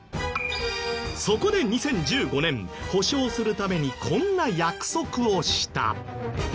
そこで２０１５年補償するためにこんな約束をした。